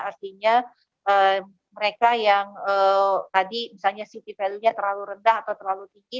artinya mereka yang tadi misalnya city value nya terlalu rendah atau terlalu tinggi